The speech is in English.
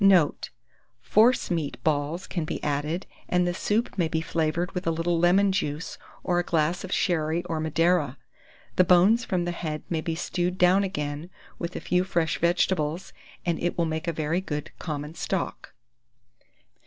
Note. Force meat balls can be added, and the soup may be flavoured with a little lemon juice, or a glass of sherry or Madeira. The bones from the head may be stewed down again, with a few fresh vegetables, and it will make a very good common stock.